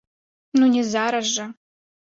Ну не зараз жа.